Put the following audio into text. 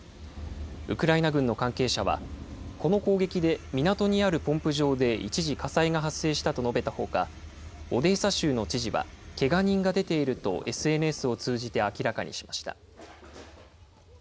ウクライナ軍の関係者は、この攻撃で港にあるポンプ場で一時火災が発生したと述べたほか、オデーサ州の知事はけが人が出ていると、ＳＮＳを通じて明らかにしました。